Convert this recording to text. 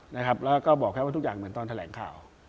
แล้วก็บอกแค่ว่าทุกอย่างเหมือนตอนแถลงข่าว